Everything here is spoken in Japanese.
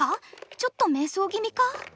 ちょっと迷走気味か？